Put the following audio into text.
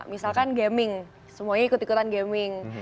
misalkan gaming semuanya ikut ikutan gaming